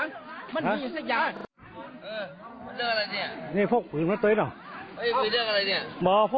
เออเลือกอะไรเนี่ยนี่พวกปืนมาต๋วยเหรอเออพวกปืนเลือกอะไรเนี่ย